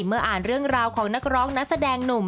เมื่ออ่านเรื่องราวของนักร้องนักแสดงหนุ่ม